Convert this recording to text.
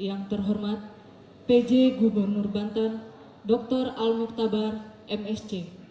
yang terhormat pj gubernur banten dr al muktabar msc